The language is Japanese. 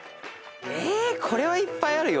えこれはいっぱいあるよ。